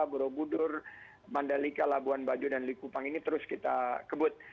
borobudur mandalika labuan bajo dan likupang ini terus kita kebut